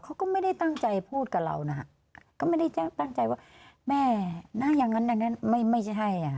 เขาก็ไม่ได้ตั้งใจพูดกับเรานะฮะก็ไม่ได้ตั้งใจว่าแม่นะอย่างนั้นอย่างนั้นไม่ใช่ให้อ่ะ